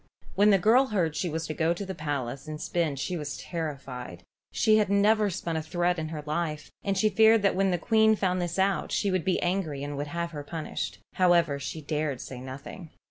When the girl heard she was to go to the palace and spin she was terrified. She had never spun a thread in her life, and she feared that when the Queen found this out she would be angry and would have her punished. However, she dared say nothing.